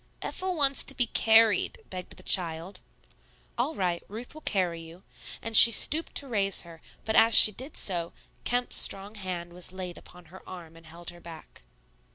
"Ethel wants to be carried," begged the child. "All right; Ruth will carry you," and she stooped to raise her; but as she did so, Kemp's strong hand was laid upon her arm and held her back.